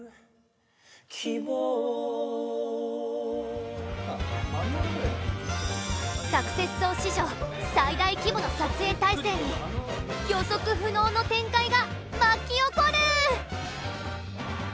「希望」「サクセス荘」史上最大規模の撮影体制に予測不能の展開が巻き起こる！